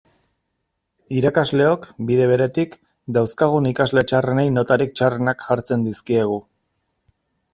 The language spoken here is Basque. Irakasleok, bide beretik, dauzkagun ikasle txarrenei notarik txarrenak jartzen dizkiegu.